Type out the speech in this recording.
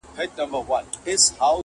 چي دولت لري صاحب د لوړ مقام دي,